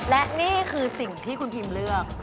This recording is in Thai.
และนี่คือสิ่งที่คุณพิมเลือก